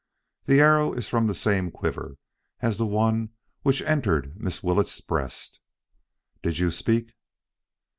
The arrow is from the same quiver as the one which entered Miss Willetts' breast.... Did you speak?"